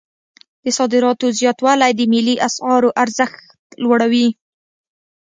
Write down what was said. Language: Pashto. د صادراتو زیاتوالی د ملي اسعارو ارزښت لوړوي.